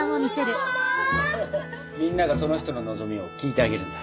みんながその人の望みを聞いてあげるんだ。